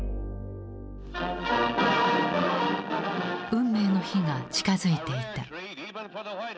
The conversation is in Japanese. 運命の日が近づいていた。